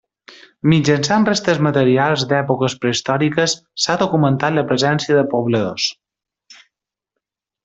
Mitjançant restes materials d'èpoques prehistòriques s'ha documentat la presència de pobladors.